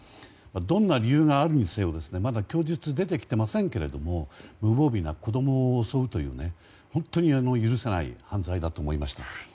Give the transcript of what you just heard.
どんな理由があるにせよ、まだ供述が出てきていませんけれども無防備な子供を襲うという本当に許せない犯罪だと思いました。